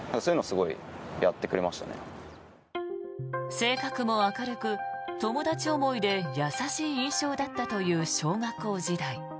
性格も明るく、友達思いで優しい印象だったという小学校時代。